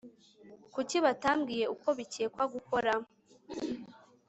kuki batambwiye uko bikekwa gukora